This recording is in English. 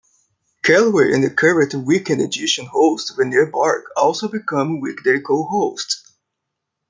Calloway and current weekend edition host Renee Bargh also becoming weekday co-hosts.